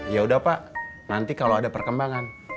yaudah pak nanti kalau ada perkembangan